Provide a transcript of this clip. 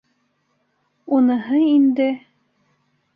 Уныһы инде...